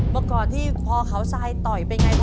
เมื่อก่อนที่พอเขาทรายต่อยเป็นไง